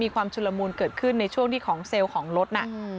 ความชุลมูลเกิดขึ้นในช่วงที่ของเซลล์ของรถน่ะ